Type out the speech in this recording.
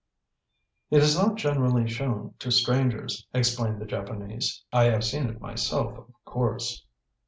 "It is not generally shown to strangers," explained the Japanese. "I have seen it myself, of course."